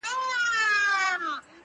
خپل عمل ورسره وړي خپل کردګار ته٫